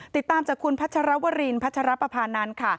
ติดตามจากคุณพัชรวรินพัชรปภานันทร์ค่ะ